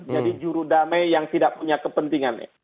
jadi juru damai yang tidak punya kepentingannya